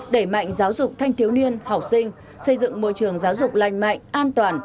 đẩy mạnh giáo dục thanh thiếu niên học sinh xây dựng môi trường giáo dục lành mạnh an toàn